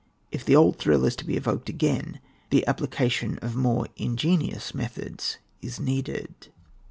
If the old thrill is to be evoked again, the application of more ingenious methods is needed.